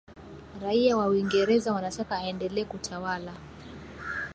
raia wa uingerza wanataka aendelee kutawala